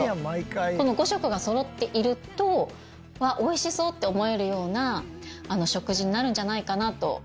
この５色がそろっていると美味しそうって思えるような食事になるんじゃないかなと。